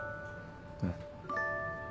うん。